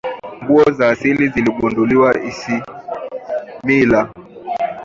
nguzo za asili za ziligunduliwa isimila